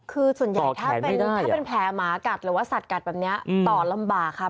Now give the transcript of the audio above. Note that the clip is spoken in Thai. คือส่วนใหญ่ถ้าเป็นแผลหมากัดหรือว่าสัตว์กัดแบบนี้ต่อลำบากค่ะ